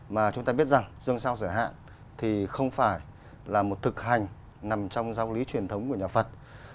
mà chúng ta biết rằng dân sao giải hạn thì không phải là một thực hành nằm trong giáo lý truyền thống của nhà phật